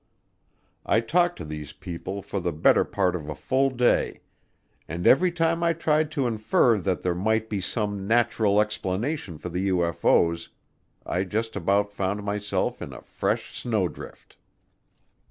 I talked to these people for the better part of a full day, and every time I tried to infer that there might be some natural explanation for the UFO's I just about found myself in a fresh snowdrift.